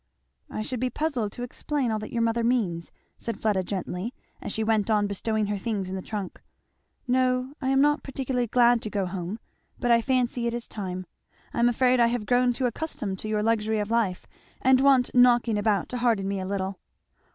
"I should be puzzled to explain all that your mother means," said Fleda gently, as she went on bestowing her things in the trunk. "No I am not particularly glad to go home but I fancy it is time. I am afraid I have grown too accustomed to your luxury of life, and want knocking about to harden me a little."